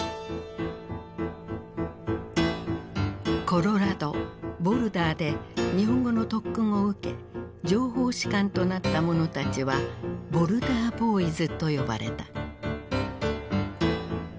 コロラドボルダーで日本語の特訓を受け情報士官となった者たちは「ボルダー・ボーイズ」と呼ばれた。